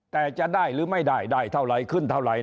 แต่จะได้หรือไม่ได้ได้เท่าไหร่ขึ้นเท่าไหร